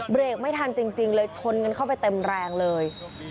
เบรกไม่ทันจริงเลยชนกันเข้าไปเต็มแรงเลย